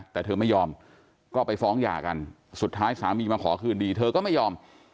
แต่เธอไม่ยอมก็ไปฟ้องหย่ากันสุดท้ายสามีมาขอคืนดีเธอก็ไม่ยอม